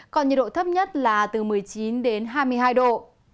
còn nhiệt độ thấp nhất là từ một mươi chín đến hai mươi hai độ